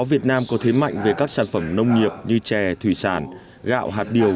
việt nam có thế mạnh về các sản phẩm nông nghiệp như chè thủy sản gạo hạt điều